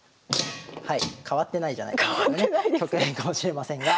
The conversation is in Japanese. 変わってないじゃないかみたいなね局面かもしれませんが。